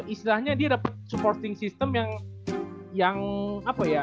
istilahnya dia dapat supporting system yang apa ya